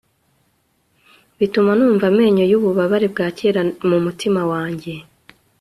Bituma numva amenyo yububabare bwa kera mumutima wanjye